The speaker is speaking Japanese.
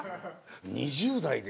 ２０代で。